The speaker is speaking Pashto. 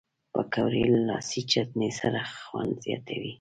پکورې له لاسي چټني سره خوند زیاتوي